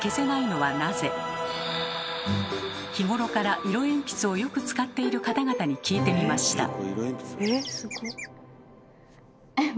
日頃から色鉛筆をよく使っている方々に聞いてみました。